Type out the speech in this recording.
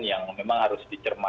yang memang harus dicermati